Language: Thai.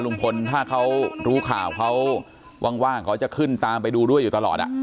ลุงพลถ้าเขารู้ข่าวเขาว่างเขาจะขึ้นตามไปดูด้วยอยู่ตลอด